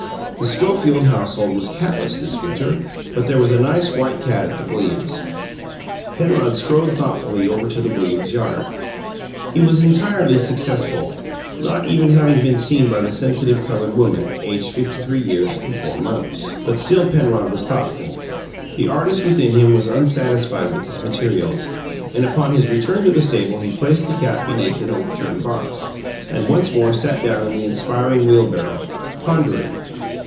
The Schofield household was catless this winter but there was a nice white cat at the Williams'. Penrod strolled thoughtfully over to the Williams's yard. He was entirely successful, not even having been seen by the sensitive coloured woman, aged fifty three years and four months. But still Penrod was thoughtful. The artist within him was unsatisfied with his materials: and upon his return to the stable he placed the cat beneath an overturned box, and once more sat down in the inspiring wheelbarrow, pondering.